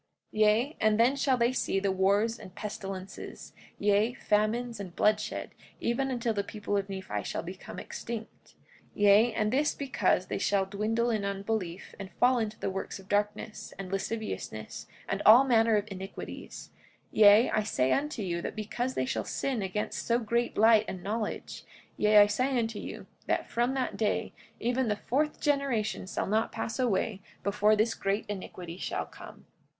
45:11 Yea, and then shall they see wars and pestilences, yea, famines and bloodshed, even until the people of Nephi shall become extinct— 45:12 Yea, and this because they shall dwindle in unbelief and fall into the works of darkness, and lasciviousness, and all manner of iniquities; yea, I say unto you, that because they shall sin against so great light and knowledge, yea, I say unto you, that from that day, even the fourth generation shall not all pass away before this great iniquity shall come.